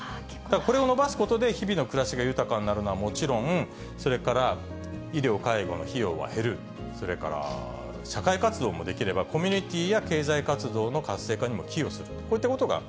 これを延ばすことで、日々の暮らしが豊かになるのはもちろん、それから医療、介護の費用が減る、それから社会活動もできればコミュニティーや経済活動の活性化にも寄与する。